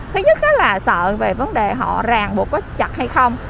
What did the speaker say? thứ nhất là sợ về vấn đề họ ràng buộc có chặt hay không